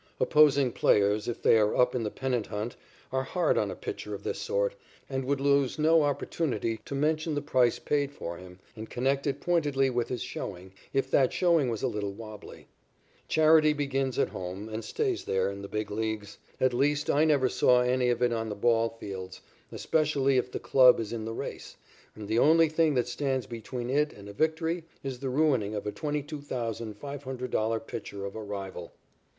Opposing players, if they are up in the pennant hunt, are hard on a pitcher of this sort and would lose no opportunity to mention the price paid for him and connect it pointedly with his showing, if that showing was a little wobbly. Charity begins at home, and stays there, in the Big Leagues. At least, I never saw any of it on the ball fields, especially if the club is in the race, and the only thing that stands between it and a victory is the ruining of a $22,500 pitcher of a rival.